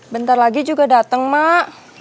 bentar lagi juga datang mak